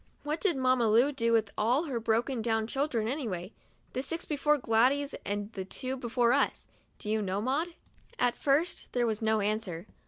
What did Mamma Lu do with all her broken down children, anyway — the six before Gladys and the two before us? Do you know, Maud?" At first there was no answer.